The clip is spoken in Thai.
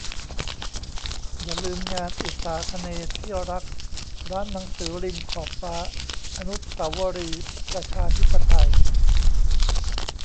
อย่าลืมงาน "อุษาคเนย์ที่รัก" ร้านหนังสือริมขอบฟ้า อนุเสาวรีย์ประชาธิปไตย